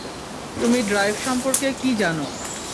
তুমি ড্রাইভ সম্পর্কে কি জানো।